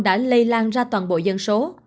đã lây lan ra toàn bộ dân số